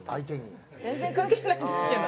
全然関係ないんですけど。